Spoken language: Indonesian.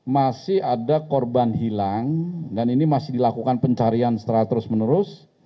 masih ada korban hilang dan ini masih dilakukan pencarian secara terus menerus